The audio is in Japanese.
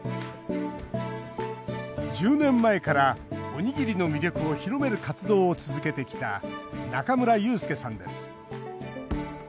１０年前から、おにぎりの魅力を広める活動を続けてきた中村祐介さんです。